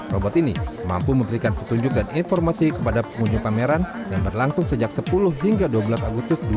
robot ini mampu memberikan petunjuk dan informasi kepada pengunjung pameran yang berlangsung sejak sepuluh hingga dua belas agustus dua ribu dua puluh